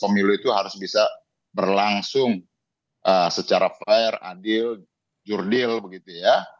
pemilu itu harus bisa berlangsung secara fair adil jurdil begitu ya